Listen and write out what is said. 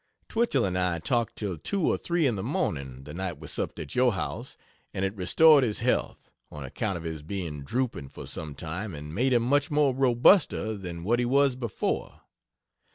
Twichell and I talked till 2 or 3 in the morning, the night we supped at your house and it restored his health, on account of his being drooping for some time and made him much more robuster than what he was before.